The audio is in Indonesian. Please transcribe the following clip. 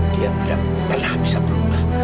dia tidak pernah bisa berubah